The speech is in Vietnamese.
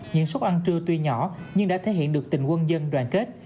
những suất ăn trưa tuy nhỏ nhưng đã thể hiện được tình quân dân đoàn kết